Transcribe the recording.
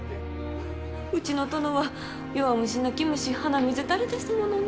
うちの殿は弱虫泣き虫鼻水垂れですものね。